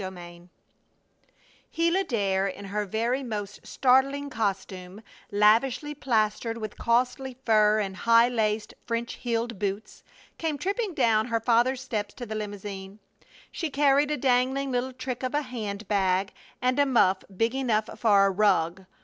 CHAPTER XII Gila Dare, in her very most startling costume, lavishly plastered with costly fur, and high laced, French heeled boots, came tripping down her father's steps to the limousine. She carried a dangling little trick of a hand bag and a muff big enough for a rug.